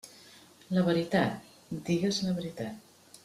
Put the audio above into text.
La veritat..., digues la veritat.